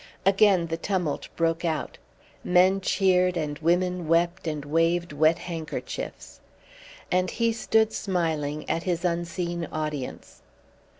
Again the tumult broke out. Men cheered and women wept and waved wet handkerchiefs. And he stood smiling at his unseen audience.